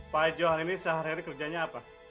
pak johan ini sehari hari kerjanya apa